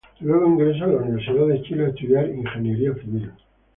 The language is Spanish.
Luego ingresa a la Universidad de Chile a estudiar ingeniería civil.